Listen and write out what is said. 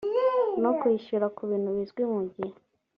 no kwishyura ku bintu bizwi mu gihe